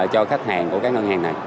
cho khách hàng của các ngân hàng này